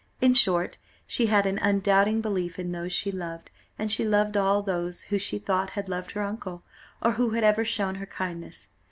In short, she had an undoubting belief in those she loved, and she loved all those who she thought had loved her uncle, or who had ever shown her kindness.